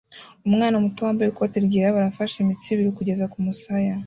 Umwana muto wambaye ikoti ryirabura afashe imitsi ibiri kugeza kumusaya